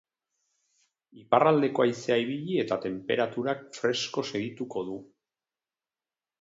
Iparraldeko haizea ibili eta tenperaturak fresko segituko du.